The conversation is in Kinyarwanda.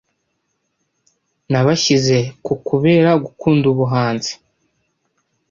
nabashyize ku kubera gukunda ubuhanzi